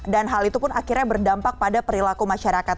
dan hal itu pun akhirnya berdampak pada perilaku masyarakat